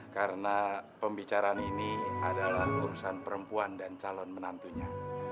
karena pembicaraan ini adalah urusan perempuan dan calon menantunya